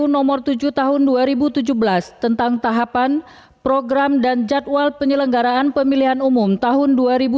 nomor tujuh tahun dua ribu tujuh belas tentang tahapan program dan jadwal penyelenggaraan pemilihan umum tahun dua ribu sembilan belas